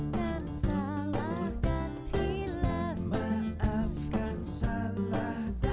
gemah takbir berkumandang